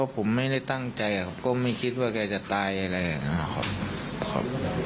คุณต้องการรู้สิทธิ์ของเขา